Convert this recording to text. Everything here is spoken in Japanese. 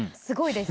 すごい！